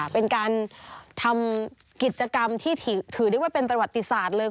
เป็นการทำกิจกรรมที่ถือได้ว่าเป็นประวัติศาสตร์เลย